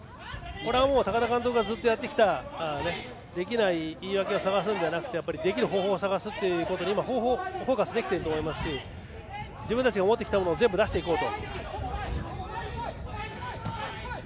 これはもう高田監督がずっとやってきたできない言い訳を探すのではなくてできる方法を探すということにフォーカスできていると思いますし自分たちがやってきたことを全部出していこうと。